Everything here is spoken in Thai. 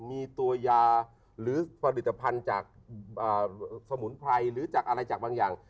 มีตัวยาหรือผลิตภัณฑ์จากสมุนไพรหรือจากอะไรจากบางอย่าง